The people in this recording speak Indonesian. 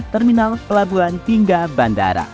terminal pelabuhan hingga bandara